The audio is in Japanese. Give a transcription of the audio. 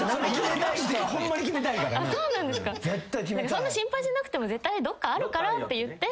そんな心配しなくても絶対どっかあるからって言って。